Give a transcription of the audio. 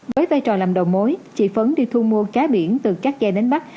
với vai trò làm đầu mối chị phấn đi thu mua cá biển từ các ghe đến bắc